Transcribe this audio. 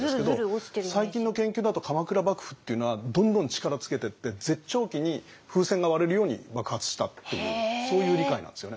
最近の研究だと鎌倉幕府っていうのはどんどん力つけてって絶頂期に風船が割れるように爆発したっていうそういう理解なんですよね。